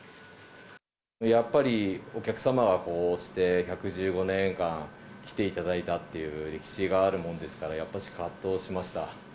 やっぱりお客様はこうして１１５年間来ていただいたっていう歴史があるもんですから、やっぱし葛藤しました。